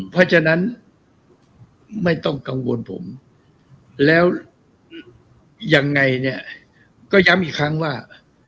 เพราะฉะนั้นไม่ต้องกังวลผมแล้วยังไงเนี่ยก็ย้ำอีกครั้งว่า